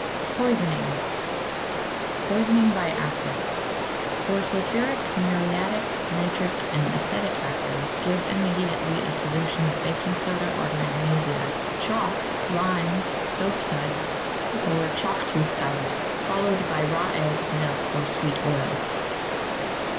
Poisoning. =Poisoning by Acids.= For sulphuric, muriatic, nitric, and acetic acids give immediately a solution of baking soda or magnesia, chalk, lime, soap suds, or chalk tooth powder, followed by raw eggs, milk, or sweet oil.